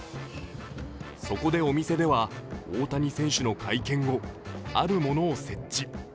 そこでお店では、大谷選手の会見後あるものを設置。